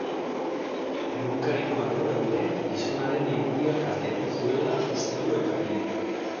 Egunkariko arduradunek gizonaren irudia kaltetu zuela uste du epaileak.